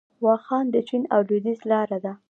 واخان د چین او لویدیځ لاره وه